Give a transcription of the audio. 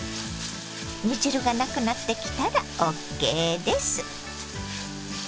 煮汁がなくなってきたらＯＫです。